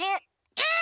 えっ！